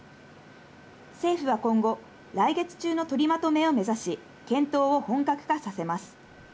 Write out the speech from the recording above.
政府は今後、来月中の取りまとめを目指し、検討を本格化させます。